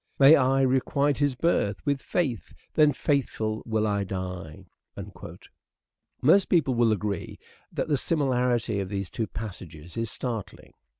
May I requite his birth with faith then faithful will I die ?" Most people will agree that the similarity of these two passages is startling.